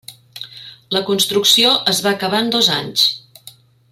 La construcció es va acabar en dos anys.